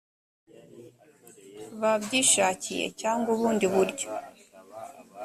babyishakiye cyangwa ubundi buryo